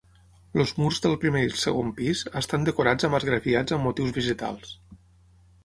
Els murs del primer i el segon pis, estan decorats amb esgrafiats amb motius vegetals.